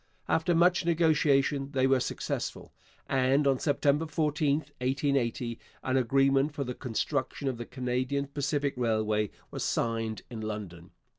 After much negotiation they were successful, and on September 14, 1880, an agreement for the construction of the Canadian Pacific Railway was signed in London.